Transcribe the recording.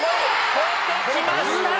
超えてきました！